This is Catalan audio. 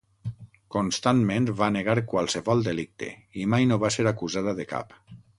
Constantment va negar qualsevol delicte i mai no va ser acusada de cap.